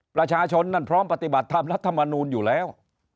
ประชาชนนั้นพร้อมปฏิบัติธรรมรัฐมนูลอยู่แล้ว